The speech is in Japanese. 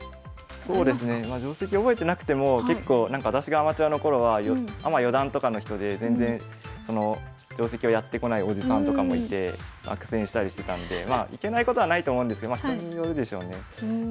そうですねまあ定跡覚えてなくても私がアマチュアの頃はアマ四段とかの人で全然定跡をやってこないおじさんとかもいて苦戦したりしてたのでいけないことはないと思うんですけど人によるでしょうね。